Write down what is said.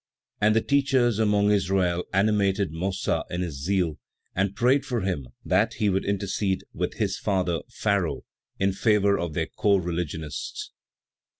And the teachers among Israel animated Mossa in his zeal, and prayed of him that he would intercede with his father, Pharaoh, in favor of their co religionists.